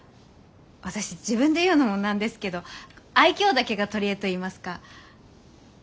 私自分で言うのもなんですけど愛嬌だけが取り柄といいますか。